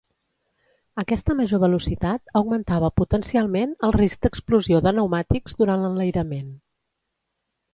Aquesta major velocitat augmentava potencialment el risc d'explosió de pneumàtics durant l'enlairament.